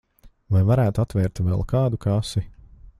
Vai varētu atvērt vēl kādu kasi?